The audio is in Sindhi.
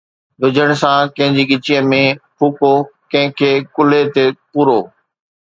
وجھڻ سان ڪنھن جي ڳچيءَ ۾ ڦوڪو، ڪنھن کي ڪلھي تي ڀورو.